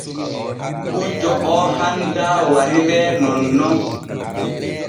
Gujjo oo handaa wariree nonnon.